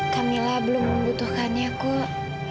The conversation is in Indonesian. kak mila belum membutuhkannya kok